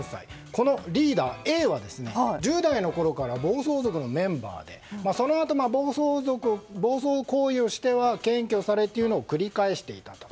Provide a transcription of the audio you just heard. このリーダーＡは１０代のころから暴走族のメンバーでそのあと暴走行為をしては検挙されというのを繰り返していたと。